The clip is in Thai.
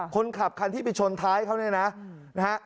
คนขับการณ์ที่ไปชนท้ายเขาเนี่ยนะ